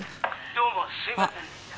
「どうもすみませんでした」